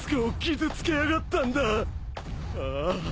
ああ。